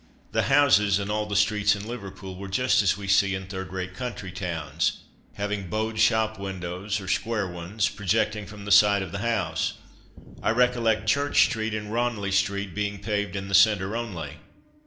The houses and all the streets in Liverpool were just as we see in third rate country towns, having bowed shop windows, or square ones, projecting from the side of the house. I recollect Church street and Ranelagh street being paved in the centre only.